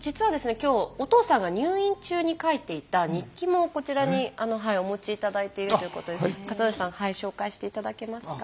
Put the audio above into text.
今日お父さんが入院中に書いていた日記もこちらにお持ちいただいているということで健徳さん紹介していただけますか。